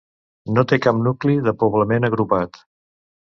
No té cap nucli de poblament agrupat.